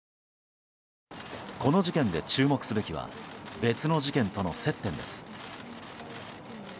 この事件で注目すべきは別の事件との接点です。